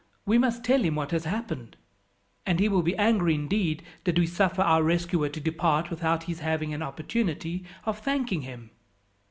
We must tell him what has happened; and he will be angry indeed, did we suffer our rescuer to depart without his having an opportunity of thanking him."